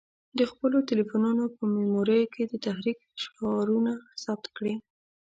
د خپلو تلیفونو په میموریو کې د تحریک شعرونه ثبت کړي.